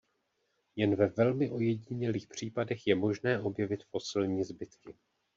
Jen ve velmi ojedinělých případech je možné objevit fosilní zbytky.